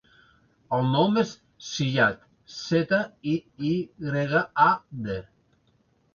El nom és Ziyad: zeta, i, i grega, a, de.